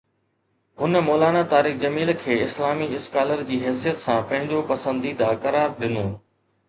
هن مولانا طارق جميل کي اسلامي اسڪالر جي حيثيت سان پنهنجو پسنديده قرار ڏنو